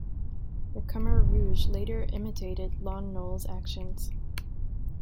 The Khmer Rouge later imitated Lon Nol's actions.